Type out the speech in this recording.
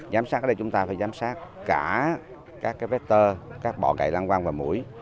giám sát ở đây chúng ta phải giám sát cả các vector các bọ gậy lăng quang và mũi